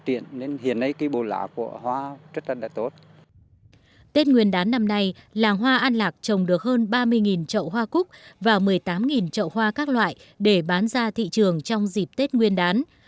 tết nguyên đán năm nay làng hoa an lạc trồng được hơn ba mươi trậu hoa cúc và một mươi tám trậu hoa các loại để bán ra thị trường trong dịp tết nguyên đán